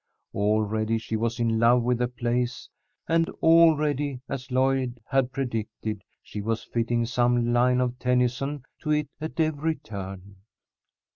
Already she was in love with the place, and already, as Lloyd had predicted, she was fitting some line of Tennyson to it at every turn.